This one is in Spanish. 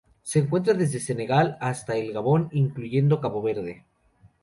Se encuentra desde Senegal hasta el Gabón, incluyendo Cabo Verde.